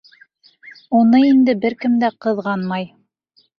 Уны инде бер кем дә ҡыҙғанмай.